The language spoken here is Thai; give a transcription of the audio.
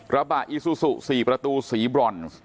ระบะอิซุสุสี่ประตูสีบรอน